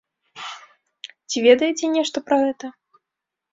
Ці ведаеце нешта пра гэта?